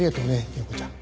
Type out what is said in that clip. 祐子ちゃん。